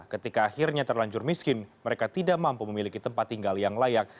ketika akhirnya terlanjur miskin mereka tidak mampu memiliki tempat tinggal yang layak